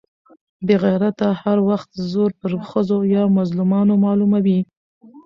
بې غيرته هر وخت زور پر ښځو يا مظلومانو معلوموي.